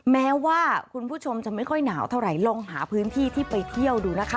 แม้ว่าคุณผู้ชมจะไม่ค่อยหนาวเท่าไหร่ลองหาพื้นที่ที่ไปเที่ยวดูนะคะ